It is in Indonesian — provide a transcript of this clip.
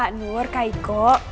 kak nur kak iko